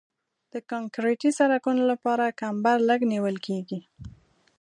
د کانکریټي سرکونو لپاره کمبر لږ نیول کیږي